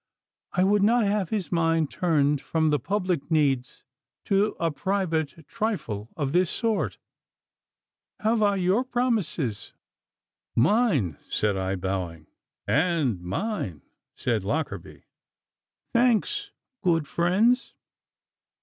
I would not have his mind turned from the public needs to a private trifle of this sort. Have I your promises?' 'Mine,' said I, bowing. 'And mine,' said Lockarby. 'Thanks, good friends.